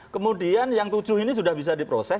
kemudian yang tujuh ini sudah bisa diproses